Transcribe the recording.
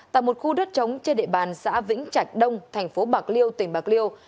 tại một khu đất trống trên địa bàn xã vĩnh trạch đông thành phố bạc liêu tỉnh bạc liêu